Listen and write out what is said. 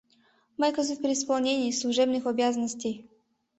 Мый кызыт при исполнении служебных обязанностей».